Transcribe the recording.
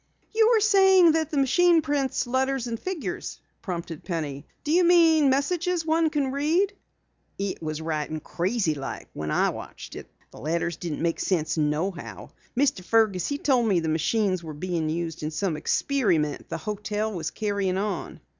"You were saying that the machine prints letters and figures," prompted Penny. "Do you mean messages one can read?" "It was writing crazy like when I watched it. The letters didn't make sense nohow. Mr. Fergus he told me the machines were being used in some experiment the hotel was carrying on."